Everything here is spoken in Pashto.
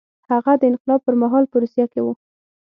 هغه د انقلاب پر مهال په روسیه کې و.